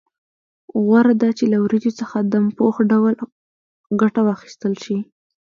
غوره ده چې له وریجو څخه دم پوخ ډول ګټه واخیستل شي.